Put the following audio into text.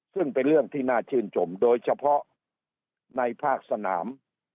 ซึ่งเป็นเรื่องที่น่าชื่นชมโดยเฉพาะในภาคสนาม